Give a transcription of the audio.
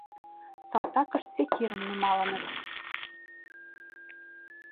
Салтакышт секирым нумалыныт.